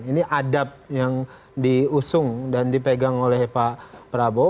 ini adab yang diusung dan dipegang oleh pak prabowo